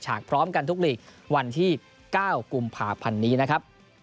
ฉากพร้อมกันลีวันที่๙กลุ่มพาพันธุ์นี้นะครับ